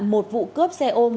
một vụ cướp xe ô tô cát loạn